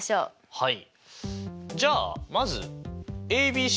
はい。